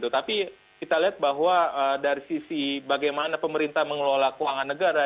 tapi kita lihat bahwa dari sisi bagaimana pemerintah mengelola keuangan negara